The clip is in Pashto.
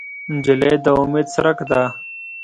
نجلۍ د امید څرک ده.